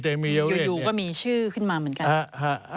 อยู่ก็มีชื่อขึ้นมาเหมือนกัน